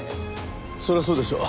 そりゃそうでしょう。